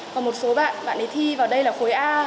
còn một số bạn bạn ấy thi vào đây là khối a